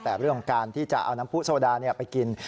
แต่เรื่องของการที่จะเอาน้ำผู้โซดาไปกิน